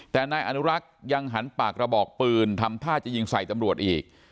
แต่นายอนุรักษ์ยังหันปากกระบอกปืนทำท่าจะยิงใส่ตำรวจอีก